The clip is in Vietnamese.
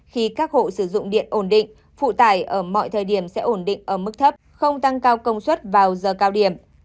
khi các hộ sử dụng điện ổn định phụ tải ở mọi thời điểm sẽ ổn định ở mức thấp không tăng cao công suất vào giờ cao điểm